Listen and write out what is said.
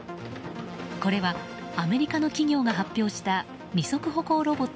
これはアメリカの企業が発表した二足歩行ロボット